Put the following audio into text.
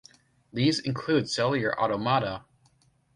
These include cellular automata.